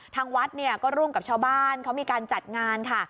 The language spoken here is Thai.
ทางวัดเนี่ยก็ร่วมกับชาวบ้านเขามีการจัดงานค่ะ